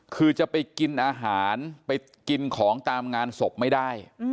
คือจะไปกินอาหารไปกินของตามงานศพไม่ได้